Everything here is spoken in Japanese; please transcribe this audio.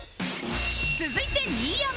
続いて新山